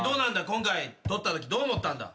今回取ったときどう思ったんだ？